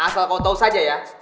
asal kau tahu saja ya